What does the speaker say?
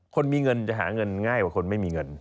คนมีเงินจะหาเงินง่ายกว่าคนไม่มีเงิน